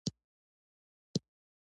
بازار د بدلونونو په وړاندې حساس دی.